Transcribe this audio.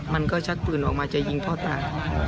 มันก็ชักปืนออกมาจะยิงพ่อตา